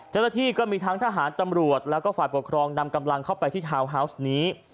เจ้าหน้าที่ก็มีทั้งทหารตำรวจแล้วก็ฝ่ายปกครองนำกำลังเข้าไปที่ทาวน์ฮาวส์นี้